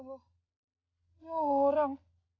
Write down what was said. ya allah orang